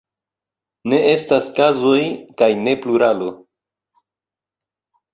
Ne estas kazoj kaj ne pluralo.